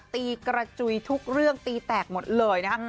ตีกระจุยทุกเรื่องตีแตกหมดเลยนะฮะ